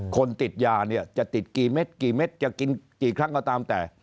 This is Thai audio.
คนติดยาเนี่ยจะติดกี่เม็ดกี่เม็ดจะกินกี่ครั้งก็ตามแต่